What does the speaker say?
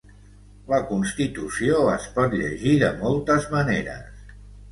La constitució es pot llegir de moltes maneres.